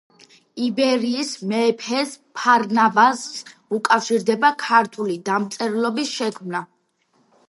იბერიის მეფეს ფარნავაზს უკავშირდება ქართული დამწერლობის შექმნა